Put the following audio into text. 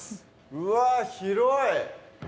うわっ広い！